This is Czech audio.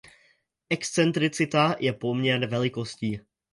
Excentricita je poměr velikostí.